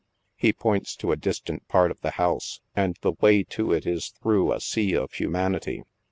He points to a distant part of the house, and the way to it is through a sea of humanity.